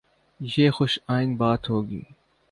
یہ خوش آئند بات ہو گی۔